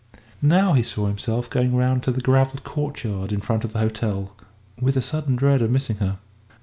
Now he saw himself going round to the gravelled courtyard in front of the hotel with a sudden dread of missing her.